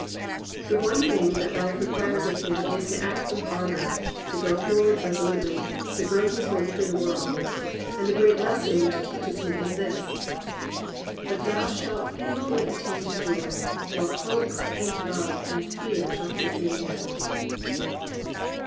The one thing that life 270 GLORY OF THE IMPERFECT" requires of him is to act with ardour, to go forward resolutely, to "bum his way through the world"; and the great lesson which it teaches him is this: "But thou shalt painfully attain to joy While hope and love and fear shall keep thee man."